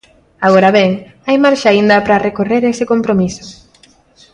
Agora ben, hai marxe aínda para recorrer ese compromiso.